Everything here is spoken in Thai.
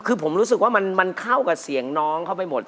คือผมรู้สึกว่ามันเข้ากับเสียงน้องเข้าไปหมด